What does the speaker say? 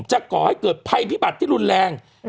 ก่อให้เกิดภัยพิบัติที่รุนแรง